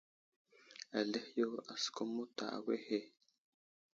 Azlehe yo asəkum muta awehe.